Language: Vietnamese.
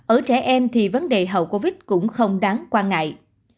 ở trẻ em thì vấn đề hậu covid cũng không đáng quan ngại